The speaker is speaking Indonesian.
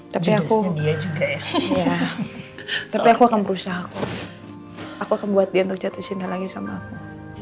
tapi aku dia juga ya tapi aku akan berusaha aku akan buat dia untuk jatuh cinta lagi sama aku